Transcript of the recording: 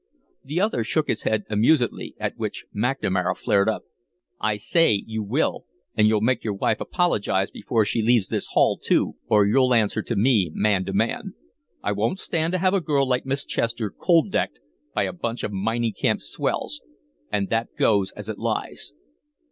The other shook his head amusedly, at which McNamara flared up. "I say you will, and you'll make your wife apologize before she leaves this hall, too, or you'll answer to me, man to man. I won't stand to have a girl like Miss Chester cold decked by a bunch of mining camp swells, and that goes as it lies."